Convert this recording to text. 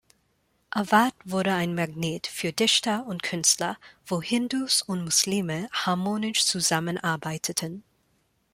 Avadh wurde ein Magnet für Dichter und Künstler, wo Hindus und Muslime harmonisch zusammenarbeiteten.